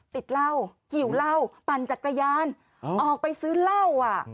ติดเหล้าหิวเหล้าปั่นจักรยานออกไปซื้อเหล้าอ่ะ